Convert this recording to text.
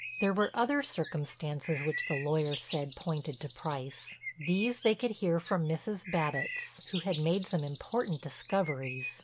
There were other circumstances which the lawyer said pointed to Price. These they could hear from Mrs. Babbitts who had made some important discoveries.